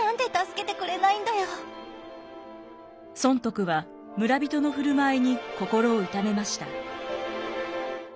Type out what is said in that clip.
尊徳は村人の振る舞いに心を痛めました。